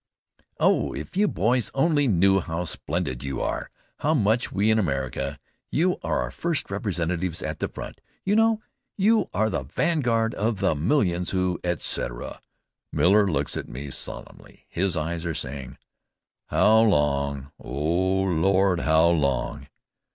"Oh! If you boys only knew how splendid you are! How much we in America You are our first representatives at the front, you know. You are the vanguard of the millions who " etc. Miller looks at me solemnly. His eyes are saying, "How long, O Lord, how long!"